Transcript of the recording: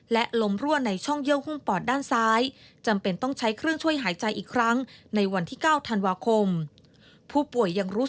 และลมรั่วในช่องเยี่ยวหุ้นปอดด้านซ้าย